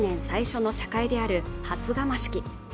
最初の茶会である初釜式